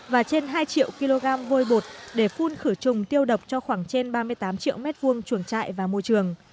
và trên hai triệu kg vôi bột để phun khử trùng tiêu độc cho khoảng trên ba mươi tám triệu m hai chuồng trại và môi trường